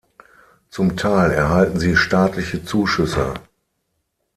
Zum Teil erhalten sie staatliche Zuschüsse.